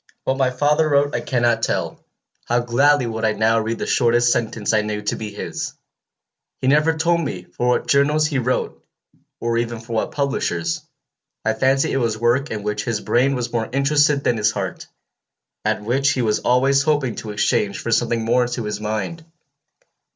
"What my father wrote I cannot tell. How gladly would I now read the shortest sentence I knew to be his! He never told me for what journals he wrote, or even for what publishers. I fancy it was work in which his brain was more interested than his heart, and which he was always hoping to exchange for something more to his mind.